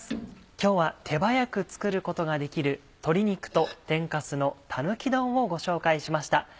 今日は手早く作ることができる鶏肉と天かすのたぬき丼をご紹介しました。